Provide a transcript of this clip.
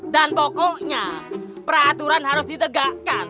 dan pokoknya peraturan harus ditegakkan